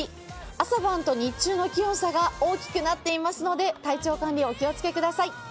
朝晩と日中の気温差が大きくなっていますので体調管理にお気をつけください。